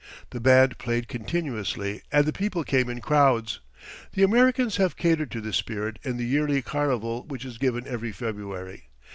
The band played continuously and the people came in crowds. The Americans have catered to this spirit in the yearly carnival which is given every February.